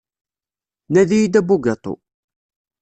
Nadi-iyi-d abugaṭu.